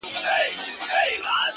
ما ويل څه به ورته گران يمه زه ـ